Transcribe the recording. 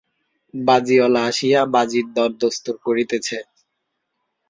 বাজিওয়ালা আসিয়া বাজির দরদস্তুর করিতেছে।